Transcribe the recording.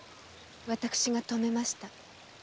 私がとめました。